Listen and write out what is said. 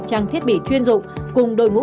trang thiết bị chuyên dụng cùng đội ngũ